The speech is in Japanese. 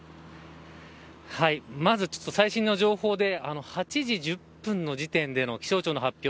まず、最新の情報で８時１０分の時点での気象庁の発表